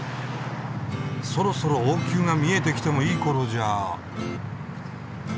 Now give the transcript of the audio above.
そろそろ王宮が見えてきてもいいころじゃあ。